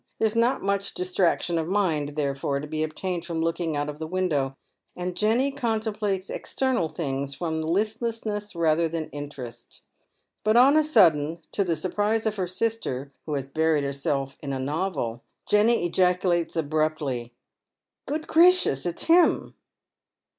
There is not much distraction of mind, therefore, to be obtained from looking out of the window, and Jenny contemplates external things fi"om listlessness rather than interest. But on a sudden, to the surprise of her eister, who has buried herself in a novel, Jenny ejaculates abraptly, —" Good gracious I It's him."